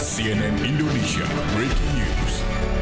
cnn indonesia breaking news